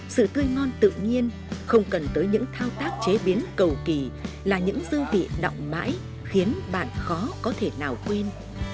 sự tươi ngon tự nhiên không cần tới những thao tác chế biến cầu kỳ là những dư vị động mãi khiến bạn khó có thể nào quên